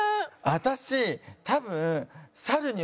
私多分。